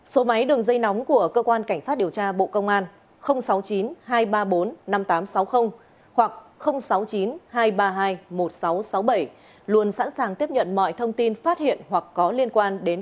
số máy đường dây nóng của cơ quan cảnh sát điều tra bộ công an sáu mươi chín hai trăm ba mươi bốn năm nghìn tám trăm sáu mươi hoặc sáu mươi chín hai trăm ba mươi hai một nghìn sáu trăm sáu mươi bảy luôn sẵn sàng tiếp nhận mọi thông tin phát hiện hoặc có liên quan đến